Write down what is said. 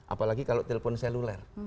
apalagi kalau telepon seluler